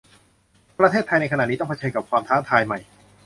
ประเทศไทยในขณะนี้ต้องเผชิญกับความท้าทายใหม่